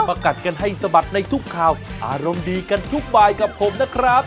กัดกันให้สะบัดในทุกข่าวอารมณ์ดีกันทุกบายกับผมนะครับ